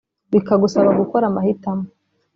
bikagusaba gukora amahitamo